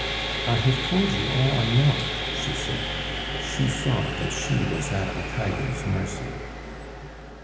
"I have told you all I know," she said. She saw that she was at the tiger's mercy.